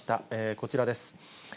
こちらです。